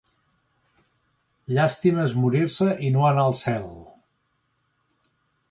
Llàstima és morir-se i no anar al cel.